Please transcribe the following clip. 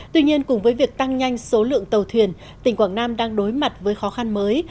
tuy nhiên cùng với việc tăng nhanh số lượng tàu thuyền tỉnh quảng nam đang đối mặt với khó khăn mới